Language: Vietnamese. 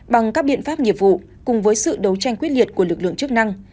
bằng các biện pháp nghiệp vụ cùng với sự đấu tranh quyết liệt của lực lượng chức năng